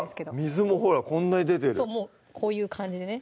水もこんなに出てるこういう感じでね